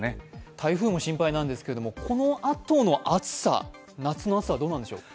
台風も心配なんですけども、このあとの夏の暑さはどうなんでしょう？